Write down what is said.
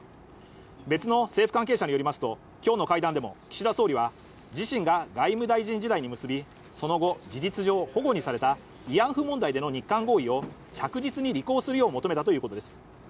別の政府関係者によりますと今日の会談でも岸田総理は自身が外務大臣時代に結び、その後、事実上ほごにされた慰安婦問題での日韓合意を着実に履行するよう求めたということです。